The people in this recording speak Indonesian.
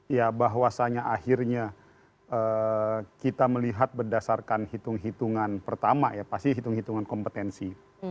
ya bahwasanya akhirnya kita melihat berdasarkan hitung hitungan pertama ya pasti hitung hitungan kompetensi